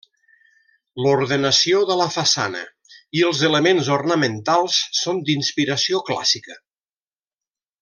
L'ordenació de la façana i els elements ornamentals són d'inspiració clàssica.